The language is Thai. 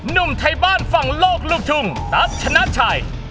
หนุ่มไทยบ้านฝั่งโลกลูกทุ่งตั๊ชนะชัย